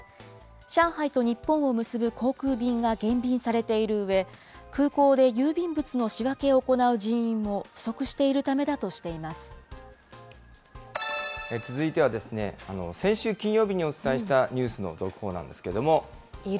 上海と日本を結ぶ航空便が減便されているうえ、空港で郵便物の仕分けを行う人員も不足しているためだとしていま続いては、先週金曜日にお伝えしたニュースの続報なんですけれども。